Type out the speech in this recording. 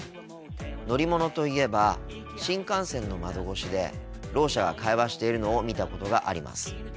乗り物と言えば新幹線の窓越しでろう者が会話しているのを見たことがあります。